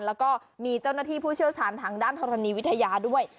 แล้วก็มีเจ้าหน้าที่ผู้เชี่ยวชาญทางด้านธรณีวิทยาด้วย